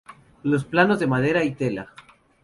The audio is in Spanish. Los planos de madera y tela.